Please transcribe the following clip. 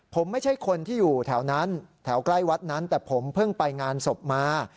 ผมไม่ใช่คนที่อยู่แถวนั้นแถวใกล้วัดนั้นแต่ผมเพิ่งไปงานศพมา